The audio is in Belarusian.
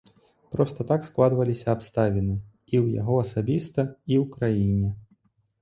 Проста так складваліся абставіны і ў яго асабіста, і ў краіне.